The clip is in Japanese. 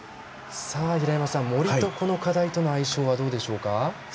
森と、この課題との相性はどうでしょうか？